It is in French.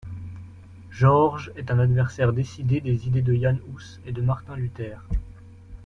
Georges est un adversaire décidé des idées de Jan Hus et de Martin Luther.